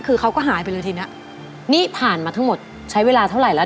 คือเขาก็หายไปเลยทีเนี้ยนี่ผ่านมาทั้งหมดใช้เวลาเท่าไหร่แล้ว